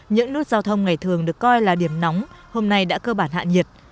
những nút giao thông ngày thường được coi là điểm nóng hôm nay đã cơ bản hạ nhiệt